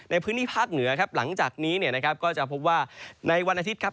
ในพื้นที่ภาคเหนือครับหลังจากนี้เนี่ยนะครับก็จะพบว่าในวันอาทิตย์ครับ